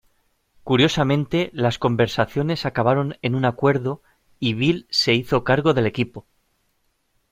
Curiosamente las conversaciones acabaron en un acuerdo y Bill se hizo cargo del equipo.